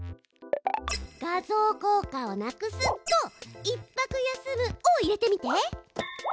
「画像効果をなくす」と「１拍休む」を入れてみて。